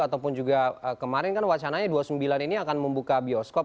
ataupun juga kemarin kan wacananya dua puluh sembilan ini akan membuka bioskop